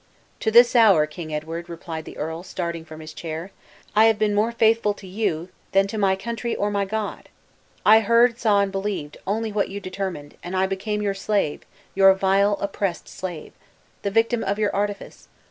"To this hour, Kind Edward," replied the earl, starting from his chair, "I have been more faithful to you than to my country or my God! I heard, saw, and believed, only what you determined; and I became your slave, your vile, oppressed slave! the victim of your artifice!